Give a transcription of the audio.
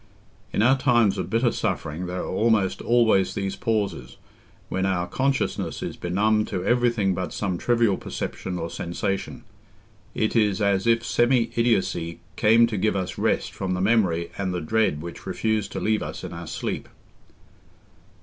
In our times of bitter suffering there are almost always these pauses, when our consciousness is benumbed to everything but some trivial perception or sensation. It is as if semi idiocy came to give us rest from the memory and the dread which refuse to leave us in our sleep.